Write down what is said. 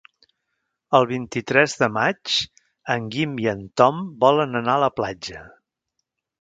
El vint-i-tres de maig en Guim i en Tom volen anar a la platja.